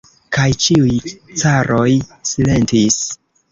Kaj ĉiuj caroj silentis.